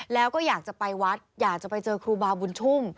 แล้วก็อยากจะไปวัดอยากจะไปเจอครูบาบุญชุ่ม